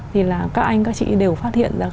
thì là các anh các chị đều phát hiện ra